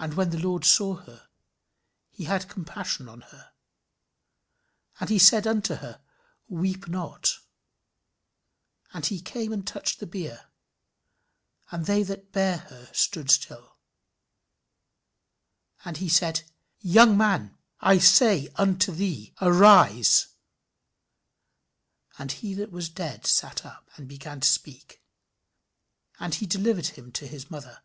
And when the Lord saw her, he had compassion on her, and said unto her, Weep not. And he came and touched the bier; and they that bare him stood still. And he said, Young man, I say unto thee, Arise. And he that was dead sat up, and began to speak. And he delivered him to his mother."